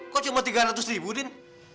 kok cuma tiga ratus ribu din